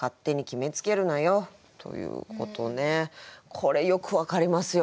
これよく分かりますよ。